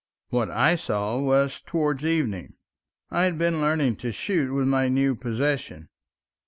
What I saw was towards evening. I had been learning to shoot with my new possession.